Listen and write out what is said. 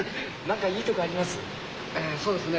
何かいいとこあります？